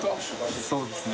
そうですね。